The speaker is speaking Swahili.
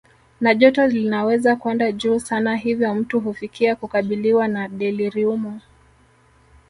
Na joto linaweza kwenda juu sana hivyo mtu hufikia kukabiliwa na deliriumu